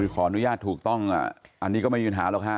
ขออนุญาตถูกต้องอันนี้ก็ไม่ยืนหาแล้วค่ะ